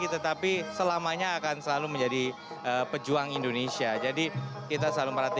itu harus dilihat